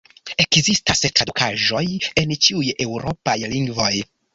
Ekzistas tradukaĵoj en ĉiuj eŭropaj lingvoj.